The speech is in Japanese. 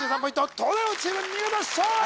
東大王チーム見事勝利！